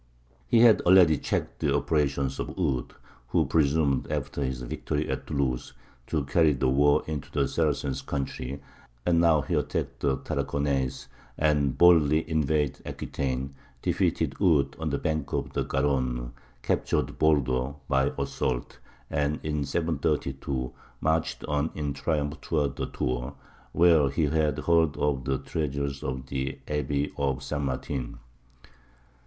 He had already checked the operations of Eudes, who presumed, after his victory at Toulouse, to carry the war into the Saracens' country; and now he attacked the Tarraconaise, and boldly invaded Aquitaine, defeated Eudes on the banks of the Garonne, captured Bordeaux by assault, and in 732 marched on in triumph towards Tours, where he had heard of the treasures of the Abbey of St. Martin.